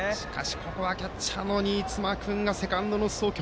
ここはキャッチャーの新妻君がセカンドへの送球